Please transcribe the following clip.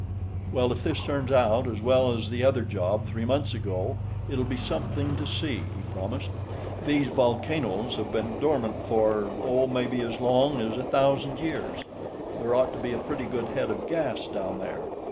"Well, if this turns out as well as the other job, three months ago, it'll be something to see," he promised. "These volcanoes have been dormant for, oh, maybe as long as a thousand years; there ought to be a pretty good head of gas down there.